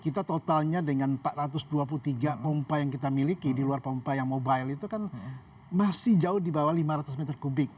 kita totalnya dengan empat ratus dua puluh tiga pompa yang kita miliki di luar pompa yang mobile itu kan masih jauh di bawah lima ratus meter kubik